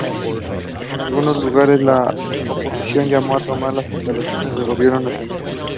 Divine switched from astronomy to astrophysics while completing doctoral research at Caltech.